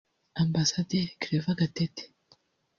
Ambasaderi Claver Gatete